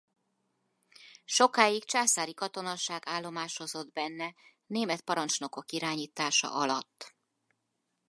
Sokáig császári katonaság állomásozott benne német parancsnokok irányítása alatt.